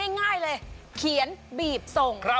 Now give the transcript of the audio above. ง่ายเลยเขียนบีบส่ง